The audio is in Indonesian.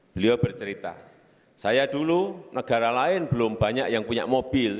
beliau bercerita saya dulu negara lain belum banyak yang punya mobil